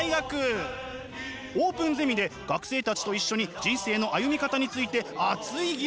オープンゼミで学生たちと一緒に人生の歩み方について熱い議論。